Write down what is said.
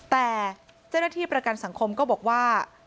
แต่เจ้าหน้าที่ประกันสังคมก็บอกว่า